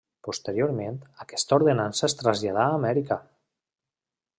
Posteriorment aquesta ordenança es traslladà a Amèrica.